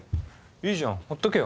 いいじゃんほっとけよ。